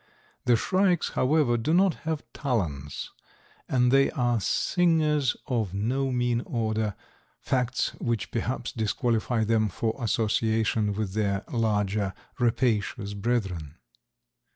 The shrikes, however, do not have talons, and they are singers of no mean order, facts which perhaps disqualify them for association with their larger rapacious brethren.